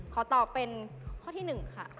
ขอตอบเป็นข้อที่๑ค่ะ